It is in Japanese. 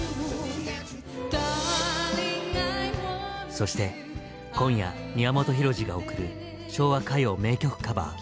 そして今夜宮本浩次が贈る「昭和歌謡名曲カバー」。